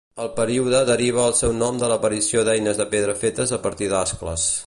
El període deriva el seu nom de l'aparició d'eines de pedra fetes a partir d'ascles.